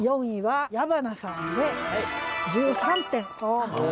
４位は矢花さんで１３点。